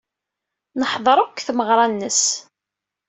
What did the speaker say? Neḥdeṛ akk deg tmeɣra-nnes.